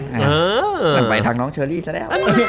ก็นั้นไปทั้งน้องเชอรี่ซะแรก